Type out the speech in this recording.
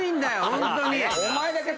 ホントに。